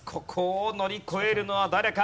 ここを乗り越えるのは誰か？